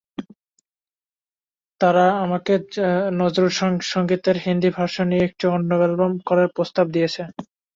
তারা আমাকে নজরুলসংগীতের হিন্দি ভার্সন নিয়ে একটি অ্যালবাম করার প্রস্তাব দিয়েছে।